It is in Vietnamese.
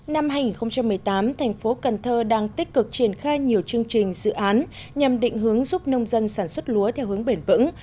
năm hai nghìn một mươi tám thành phố cần thơ đang tích cực triển khai nhiều chương trình dự án nhằm định hướng giúp nông dân sản xuất lúa theo hướng bền vững